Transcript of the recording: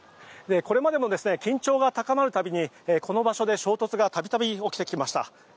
これまでも緊張が高まるたびにこの場所で衝突が度々、起きてきました。